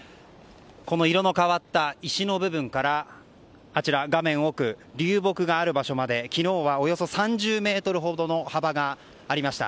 この色の変わった石の部分から画面奥流木がある場所まで昨日はおよそ３０ｍほどの幅がありました。